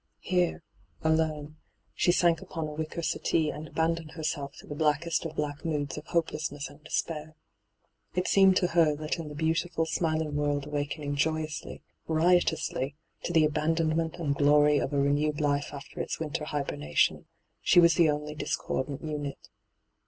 Here, alone, she sank upon a wicker settee and abandoned herself to the blackest of black moods of hopelessness and despair. It seemed to her that in the beautiful, smiling world awakening joyously, riotously, to the abandon ment and glory of a renewed life after its winter hibernation, she was the only dis cordant unit.